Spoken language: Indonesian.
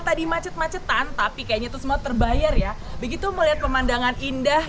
tadi macet macetan tapi kayaknya itu semua terbayar ya begitu melihat pemandangan indah